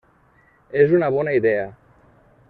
És una bona idea!